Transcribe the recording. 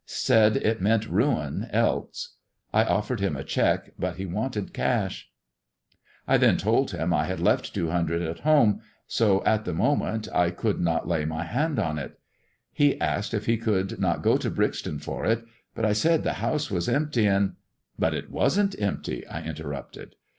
Said it meant ruin else. I offered him a cheque, but he wanted cash. I then told him I had left two hundred at home, so, at the moment, I THE GREEN STONE GOD AND THE STOCKBROKER 257 30uld'not lay my hand on it. He asked if he could not go bo Brixton for it, but I said the house was empty, and "" But it wasn't empty," I interrupted.